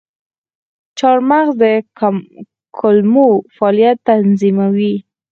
چارمغز د کولمو فعالیت تنظیموي.